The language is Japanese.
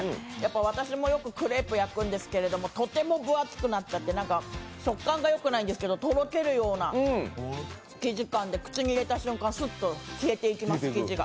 私もよくクレープ焼くんですけどとても分厚くなっちゃって食感がよくないんですけどとろけるような生地感で、口に入れた瞬間、すっと消えていきます、生地が。